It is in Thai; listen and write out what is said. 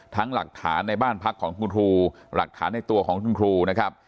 หลักฐานในบ้านพักของคุณครูหลักฐานในตัวของคุณครูนะครับ